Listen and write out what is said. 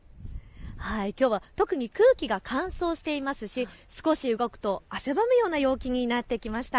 きょうは特に空気が乾燥していますし少し動くと汗ばむような陽気になってきました。